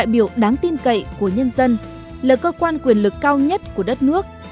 biểu đáng tin cậy của nhân dân là cơ quan quyền lực cao nhất của đất nước